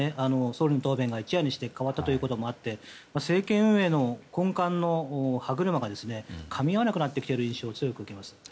総理の答弁が一夜にして変わったということもあって政権運営の根幹の歯車がかみ合わなくなってきている印象を受けます。